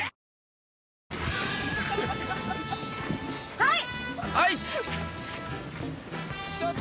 ・はい！